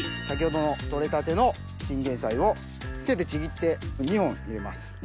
先ほどの取れたてのチンゲン菜を手でちぎって２本入れます。